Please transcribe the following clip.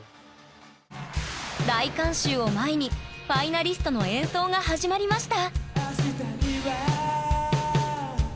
大観衆を前にファイナリストの演奏が始まりました